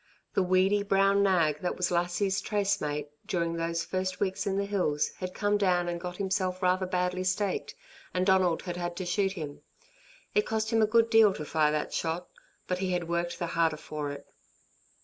The weedy, brown nag that was Lassie's trace mate, during those first weeks in the hills had come down and got himself rather badly staked, and Donald had had to shoot him. It cost him a good deal to fire that shot, but he had worked the harder for it.